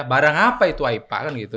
barang apa itu aipa kan gitu